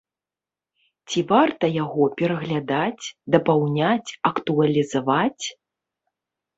Ці варта яго пераглядаць, дапаўняць, актуалізаваць?